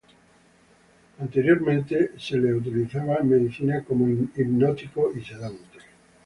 Anteriormente se le utilizaba en medicina como hipnótico y sedante.